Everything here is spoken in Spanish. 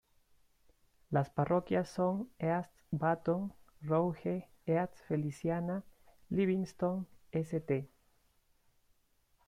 Las parroquias son East Baton Rouge, East Feliciana, Livingston, St.